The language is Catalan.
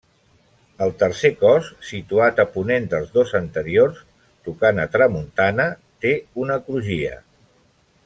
El tercer cos situat a ponent dels dos anteriors, tocant a tramuntana, té una crugia.